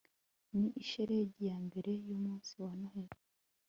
ni shelegi yambere yumunsi wa noheri